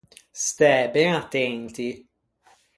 Stæ ben attenti!